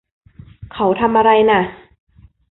เขาทำอะไรน่ะ